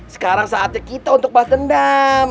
sekarang saatnya kita untuk pas dendam